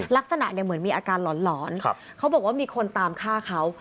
ลักษณะเนี่ยเหมือนมีอาการหลอนเขาบอกว่ามีคนตามฆ่าเขา